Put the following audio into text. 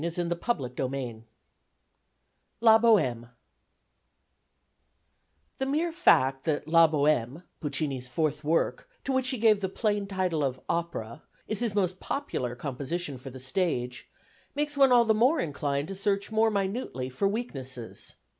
VII "LA BOHÈME" The mere fact that La Bohème, Puccini's fourth work, to which he gave the plain title of opera, is his most popular composition for the stage, makes one all the more inclined to search more minutely for weaknesses.